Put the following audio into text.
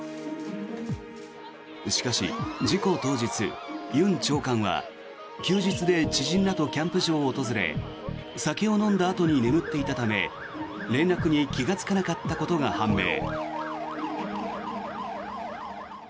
しかし事故当日、ユン長官は休日で知人らとキャンプ場を訪れ酒を飲んだあとに眠っていたため連絡に気がつかなかったことが判明。